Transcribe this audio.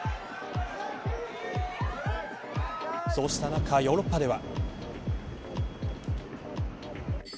そうした中、ヨーロッパでは。